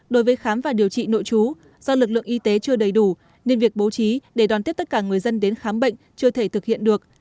đối với khám và điều trị nội chú do lực lượng y tế chưa đầy đủ nên việc bố trí để đón tiếp tất cả người dân đến khám bệnh chưa thể thực hiện được